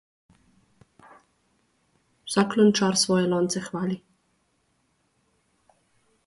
Vsak lončar svoje lonce hvali.